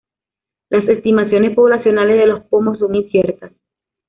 Las estimaciones poblacionales de los pomo son inciertas.